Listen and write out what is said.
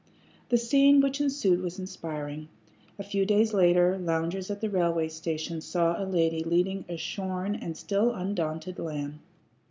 The scene which ensued was inspiriting. A few days later, loungers at the railway station saw a lady leading a shorn and still undaunted lamb.